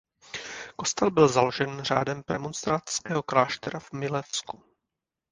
Kostel byl založen řádem premonstrátského kláštera v Milevsku.